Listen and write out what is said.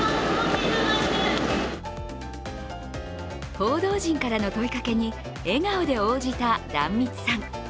報道陣からの問いかけに笑顔で応じた壇密さん。